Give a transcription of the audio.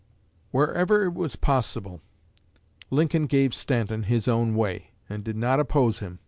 Wherever it was possible, Lincoln gave Stanton his own way, and did not oppose him.